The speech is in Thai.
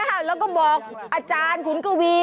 แล้วก็บอกอาจารย์ขุนกวี